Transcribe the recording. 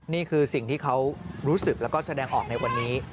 นี่คือสิ่งที่เขารู้สึกแล้วก็แสดงออกในวันนี้